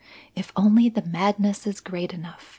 "If only the madness is great enough!"